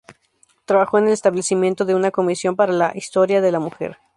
Trabajó en el establecimiento de una "Comisión para la Historia de la Mujer".